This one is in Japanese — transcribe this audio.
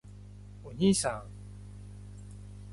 おにいさん！！！